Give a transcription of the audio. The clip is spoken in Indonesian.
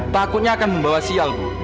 takutnya akan membawa sial bu